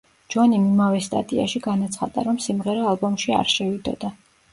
ჯონიმ იმავე სტატიაში განაცხადა, რომ სიმღერა ალბომში არ შევიდოდა.